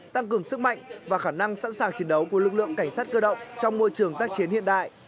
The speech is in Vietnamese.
tăng cường sức mạnh và khả năng sẵn sàng chiến đấu của lực lượng cảnh sát cơ động trong môi trường tác chiến hiện đại